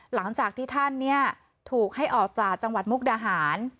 หลังจากที่ท่านถูกให้ออกจากจังหวัดมุกดาหาร